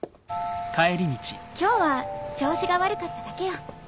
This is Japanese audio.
今日は調子が悪かっただけよ。